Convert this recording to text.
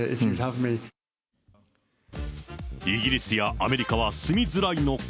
イギリスやアメリカは住みづらいのか？